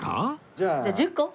じゃあ１０個？